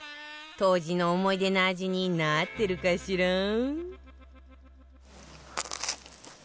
当時の思い出の味になってるかしら？